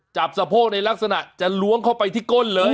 สะโพกในลักษณะจะล้วงเข้าไปที่ก้นเลย